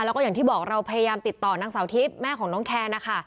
แล้วก็อย่างที่บอกเราพยายามติดต่อนางสาวทิพย์แม่ของน้องแคนนะคะ